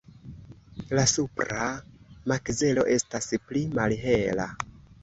La supra makzelo estas pli malhela.